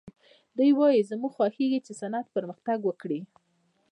دوی وايي زموږ خوښېږي چې صنعت پرمختګ وکړي